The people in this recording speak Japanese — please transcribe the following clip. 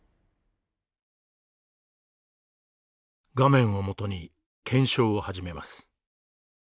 画面をもとに検証を始めます。